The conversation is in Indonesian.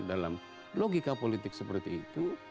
dalam logika politik seperti itu